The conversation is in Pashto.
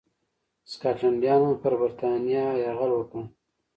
سکاټلنډیانو پر برېټانیا یرغل وکړ.